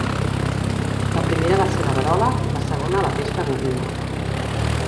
La primera va ser la verola, i la segona la pesta bovina.